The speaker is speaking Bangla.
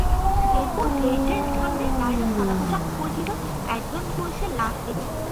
এরপর গেইটের সামনে লাইনে সাদা পোশাক পরিহিত একজন পুলিশের লাশ দেখি।